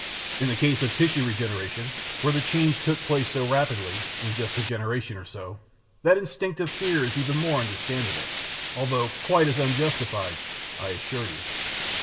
In the case of tissue regeneration, where the change took place so rapidly, in just a generation or so, that instinctive fear is even more understandable although quite as unjustified, I assure you."